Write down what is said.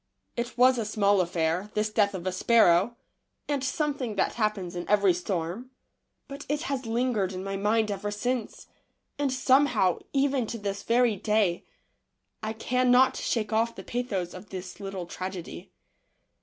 It was a small affair, this death of a sparrow, and something that happens in every storm, but it has lingered in my mind ever since, and somehow, even to this very day, I cannot shake off the pathos of this little tragedy.